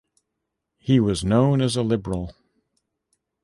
He was known as a liberal.